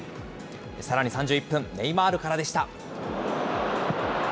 さらに３１分、ネイマールからでした。